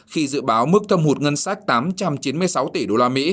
khi dự báo mức thâm hụt ngân sách tám trăm chín mươi sáu tỷ usd